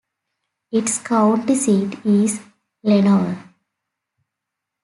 Its county seat is Lenoir.